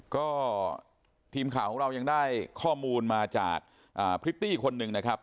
ก็ทีมข่าวของเรายังได้ข้อมูลมาจากพริตตี้คนหนึ่งนะครับ